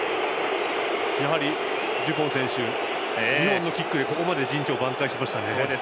やはりデュポン選手が２本のキックでここまで陣地を挽回しましたね。